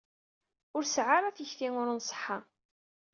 Ur seɛɛu ata tikti ur nṣeḥḥa.